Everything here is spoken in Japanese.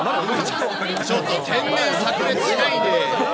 ちょっと天然さく裂しないで。